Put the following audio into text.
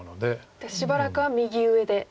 じゃあしばらくは右上で。